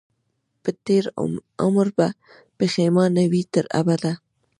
په تېر عمر به پښېمان وي تر ابده